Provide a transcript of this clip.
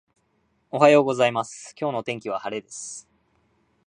おはようございます、今日の天気は晴れです。